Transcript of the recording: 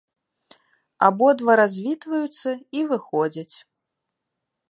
Абодва развітваюцца і выходзяць.